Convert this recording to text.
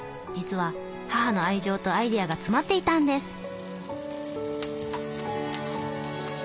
実は母の愛情とアイデアが詰まっていたんです。